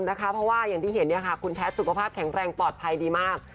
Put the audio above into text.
เพราะว่าอย่างที่เห็นคุณแพทย์สุขภาพแข็งแรงปลอดภัยดีมาก